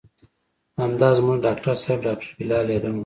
همدا زموږ ډاکتر صاحب ډاکتر بلال يادوم.